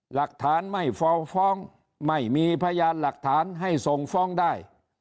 หลักฐานไม่ฟ้องฟ้องไม่มีพยานหลักฐานให้ส่งฟ้องได้